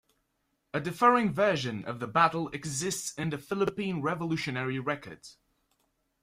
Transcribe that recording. A differing version of the battle exists in the Philippine Revolutionary Records.